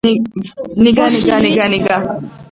ბასილის მმართველობა მოსახლეობაში უკმაყოფილებას იწვევდა.